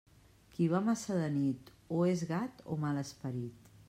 Qui va massa de nit, o és gat o mal esperit.